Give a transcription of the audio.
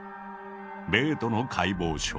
ベートの解剖書。